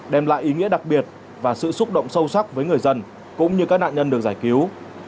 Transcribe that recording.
đem lại ý nghĩa đặc biệt và sự xúc động sâu sắc với người dân cũng như các nạn nhân được giải cứu